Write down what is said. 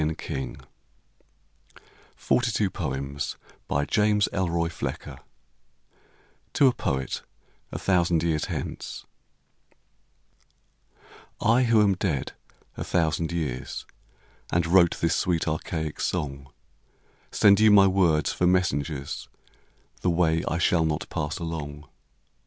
James Elroy Flecker 74 JAMES ELKOY FLECKER TO A POET A THOUSAND YEARS HENCE I wno am dead a thousand years, And wrote this sweet archaic song, Send you my words for messengers The way I shall not pass along.